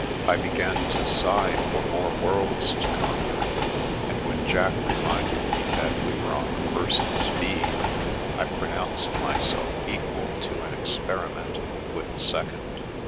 I began to sigh for more worlds to conquer, and when Jack reminded me that we were on the fipst speed, I pronounced myself equal to an experiment with the second.